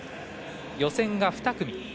予選が２組。